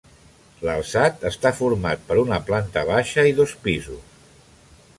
L'alçat està format per una planta baixa i dos pisos.